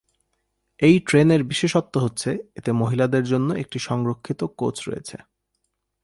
এই ট্রেনের বিশেষত্ব হচ্ছে এতে মহিলাদের জন্য একটি সংরক্ষিত কোচ রয়েছে।